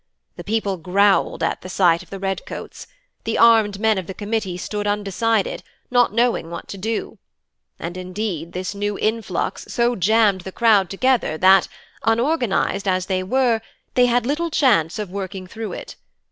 The people growled at the sight of the red coats; the armed men of the Committee stood undecided, not knowing what to do; and indeed this new influx so jammed the crowd together that, unorganised as they were, they had little chance of working through it.